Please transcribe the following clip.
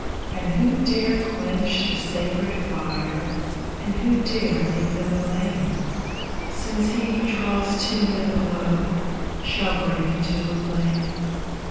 And who daxe quench the sacred fire, and who dare give them blame. Since he who draws too near the glow shall break into a flame?